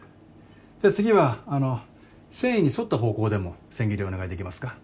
じゃあ次はあの繊維にそった方向でも千切りお願いできますか？